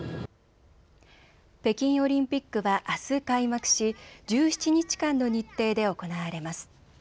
北京オリンピックはあす開幕し１７日間の日程で行われます。